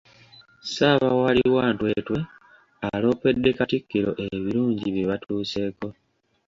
Ssaabawaali wa Ntwetwe aloopedde Katikkiro ebirungi bye batuuseeko.